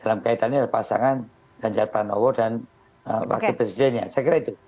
dalam kaitannya adalah pasangan ganjar pranowo dan wakil presidennya saya kira itu